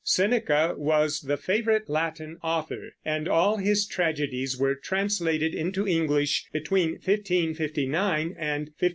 Seneca was the favorite Latin author, and all his tragedies were translated into English between 1559 and 1581.